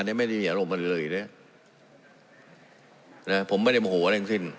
เนี้ยไม่ได้มีอารมณ์กันเลยนะฮะนะฮะผมไม่ได้โมโหว่าเรื่องขึ้น